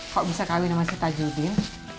kok bisa kawin nama si tajudin